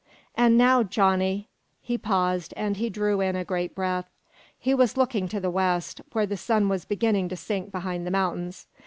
An' now, Johnny " He paused, and he drew in a great breath. He was looking to the west, where the sun was beginning to sink behind the mountains.